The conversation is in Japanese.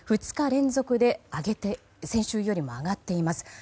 ２日連続で先週よりも上がっております。